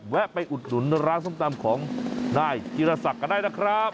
แวะไปอุดหนุนร้านส้มตำของนายธีรศักดิ์ก็ได้นะครับ